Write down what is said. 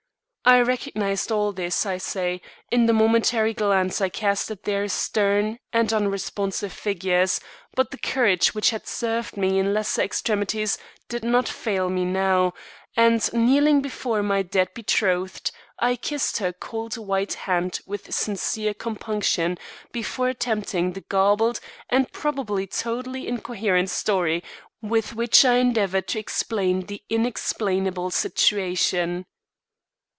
I recognised all this, I say, in the momentary glance I cast at their stern and unresponsive figures; but the courage which had served me in lesser extremities did not fail me now, and, kneeling down before my dead betrothed, I kissed her cold white hand with sincere compunction, before attempting the garbled and probably totally incoherent story with which I endeavoured to explain the inexplainable situation.